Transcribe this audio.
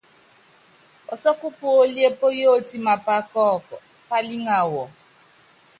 Pɔsɔ́kɔ́ puólíe póyótí mapá kɔ́ɔku, pálíŋa wɔ.